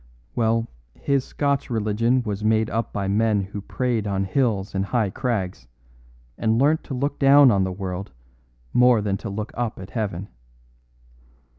Well, his Scotch religion was made up by men who prayed on hills and high crags, and learnt to look down on the world more than to look up at heaven.